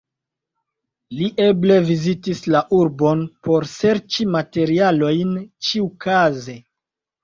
Li eble vizitis la urbon por serĉi materialojn ĉiukaze.